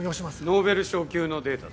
ノーベル賞級のデータだ。